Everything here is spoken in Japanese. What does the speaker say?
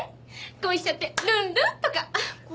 恋しちゃってルンルン？